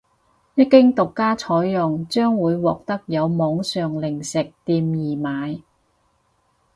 一經獨家採用將會獲得由網上零食店易買